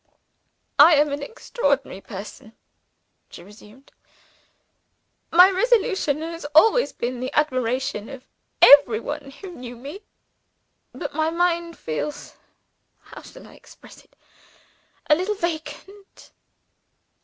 "I am an extraordinary person," she resumed. "My resolution has always been the admiration of every one who knew me. But my mind feels how shall I express it? a little vacant.